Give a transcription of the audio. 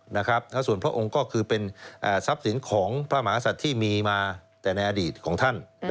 แล้วส่วนพระองค์ก็คือเป็นทรัพย์สินของพระมหาศัตริย์ที่มีมาแต่ในอดีตของท่าน